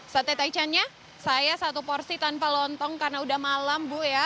sate taichannya saya satu porsi tanpa lontong karena udah malam bu ya